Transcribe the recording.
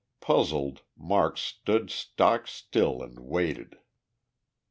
Puzzled, Marks stood stock still and waited.